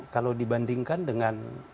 kalau dibandingkan dengan